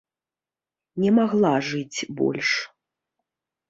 Не магла жыць больш.